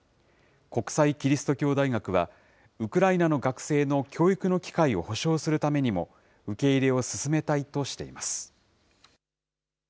国際基督教大学は、ウクライナの学生の教育の機会を保障するためにも、受け入れを進めたいとしています。